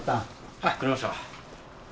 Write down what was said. はい取れました。